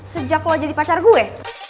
sejak lo jadi pacar gue